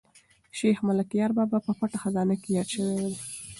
شیخ ملکیار بابا په پټه خزانه کې یاد شوی دی.